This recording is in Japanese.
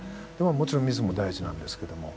もちろん水も大事なんですけども。